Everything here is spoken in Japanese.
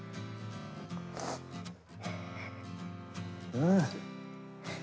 うん。